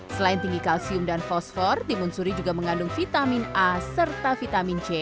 selain tinggi kalsium dan fosfor timun suri juga mengandung vitamin a serta vitamin c